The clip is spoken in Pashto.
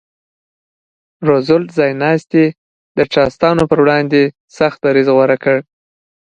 روزولټ ځایناستي د ټرستانو پر وړاندې سخت دریځ غوره کړ.